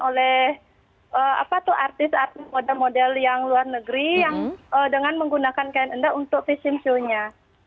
oleh artis artis model model yang luar negeri yang dengan menggunakan kain enda untuk vision show nya